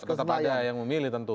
tetap ada yang memilih tentu